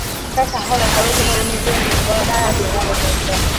该厂后来还为中国人民志愿军提供了大量卷烟和烟丝。